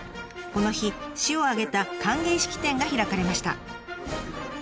この日市を挙げた歓迎式典が開かれました。